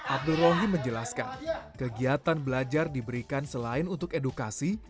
abdul rohim menjelaskan kegiatan belajar diberikan selain untuk edukasi